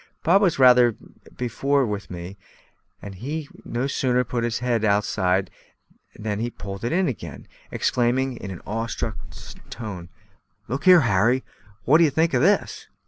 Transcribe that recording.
Bob was rather beforehand with me, and he had no sooner put his head outside than he pulled it in again, exclaiming, in an awe struck tone: "Look here, Harry; what d'ye think of this?"